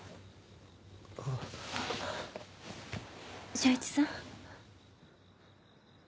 昇一さん？